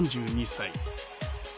３２歳。